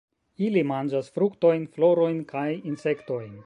Ili manĝas fruktojn, florojn kaj insektojn.